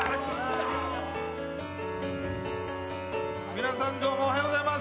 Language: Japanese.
皆さん、どうもおはようございます。